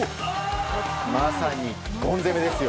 まさにゴン攻めですよ！